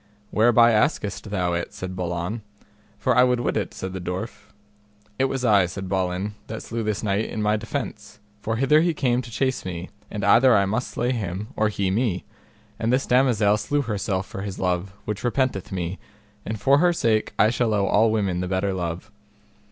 Whereby askest thou it? said Balan. For I would wit it, said the dwarf. It was I, said Balin, that slew this knight in my defence, for hither he came to chase me, and either I must slay him or he me; and this damosel slew herself for his love, which repenteth me, and for her sake I shall owe all women the better love.